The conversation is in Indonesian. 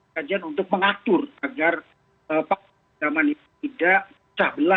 kajian untuk mengatur agar paham zaman ini tidak pecah belah